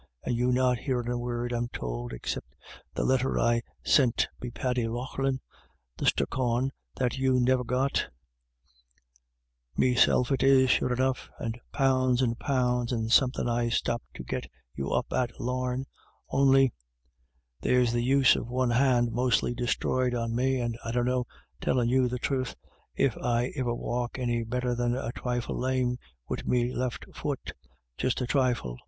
And you not hearin' a word, I'm tould, 'xcipt the letter I sint be Paddy Loughlin, the sthookawn, that you niver got Meself it is, sure enough, and pounds and pounds, and somethin' I stopped to get you up at Lame — on'y — there's the use of one hand mostly disthroyed on me, and I dunno, tellin' you the truth, if I'll iver walk any better than a trifle lame wid me left fut — just a trifle.